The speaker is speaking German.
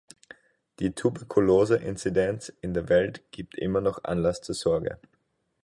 Die Tuberkuloseinzidenz in der Welt gibt immer noch Anlass zur Sorge.